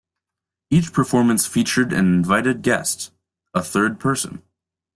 Each performance featured an invited guest: A third person.